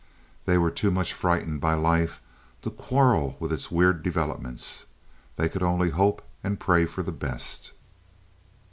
They were too much frightened by life to quarrel with its weird developments. They could only hope and pray for the best.